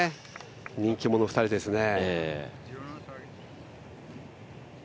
人気者２人ですね。